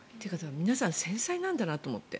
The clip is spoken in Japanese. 皆さん繊細なんだなと思って。